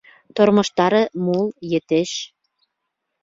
Тормоштары мул, етеш.